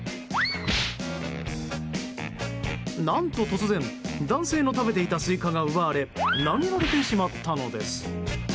何と突然男性の食べていたスイカが奪われ投げられてしまったのです。